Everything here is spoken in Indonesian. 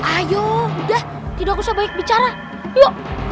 ayo udah tidak usah banyak bicara yuk